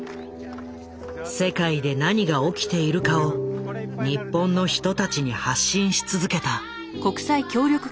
世界で何が起きているかを日本の人たちに発信し続けた。